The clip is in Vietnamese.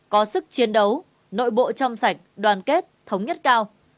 có sức chiến đấu nội bộ trong sạch đoàn kết thống nhất cao